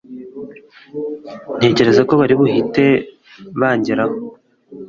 ntekereza ko baribuhite bangeraho